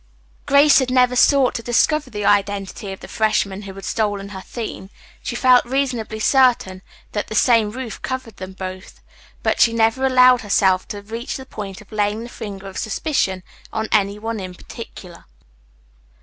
Grace had never sought to discover the identity of the freshman who had stolen her theme. She felt reasonably certain that the same roof covered them both, but she never allowed herself to reach the point of laying the finger of suspicion on any one in particular.